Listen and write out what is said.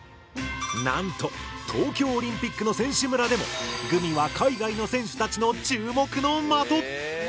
なんと東京オリンピックの選手村でもグミは海外の選手たちの注目の的！